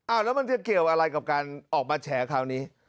แล้วมันจะเกี่ยวอะไรกับการออกมาแฉคราวนี้